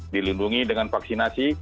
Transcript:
dilindungi dengan vaksinasi